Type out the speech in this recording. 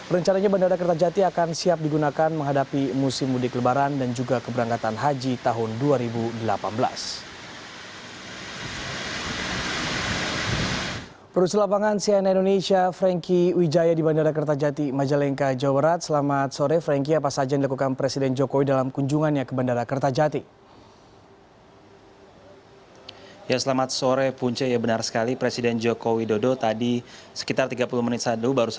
rencananya bandara kertajati akan siap digunakan menghadapi musim mudik lebaran dan juga keberangkatan haji tahun dua ribu delapan belas